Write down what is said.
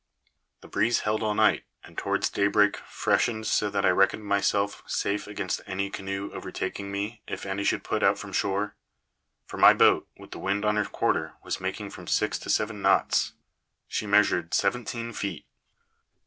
The breeze held all night, and towards daybreak freshened so that I reckoned myself safe against any canoe overtaking me if any should put out from shore; for my boat, with the wind on her quarter, was making from six to seven knots. She measured seventeen feet.